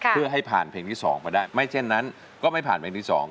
เพื่อให้ผ่านเพลงที่๒มาได้ไม่เช่นนั้นก็ไม่ผ่านเพลงที่๒